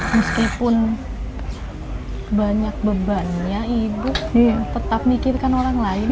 meskipun banyak bebannya ibu tetap mikirkan orang lain